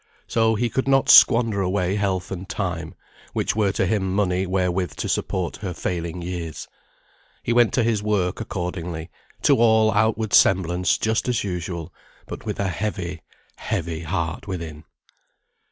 So he could not squander away health and time, which were to him money wherewith to support her failing years. He went to his work, accordingly, to all outward semblance just as usual; but with a heavy, heavy heart within.